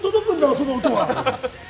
その音は。